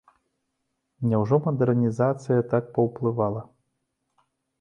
Няўжо мадэрнізацыя так паўплывала?